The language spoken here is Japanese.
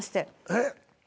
えっ？